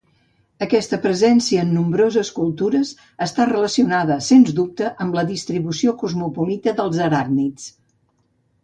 Aquesta presència en nombroses cultures està relacionada sens dubte amb la distribució cosmopolita dels aràcnids.